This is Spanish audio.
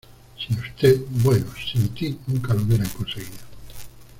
sin usted... bueno, sin ti nunca lo hubiera conseguido .